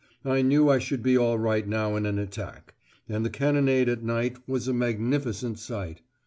I knew I should be all right now in an attack. And the cannonade at night was a magnificent sight.